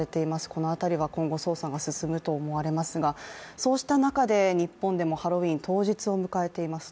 この辺りは今後捜査が進むと思われますがそうした中で、日本でもハロウィーン当日を迎えています。